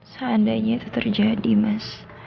seandainya itu terjadi mas